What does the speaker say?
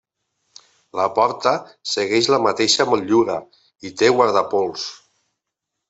La porta segueix la mateixa motllura i té guardapols.